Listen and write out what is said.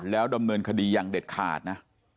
แล้วดำเนินคดีอย่างเด็ดขาดนะ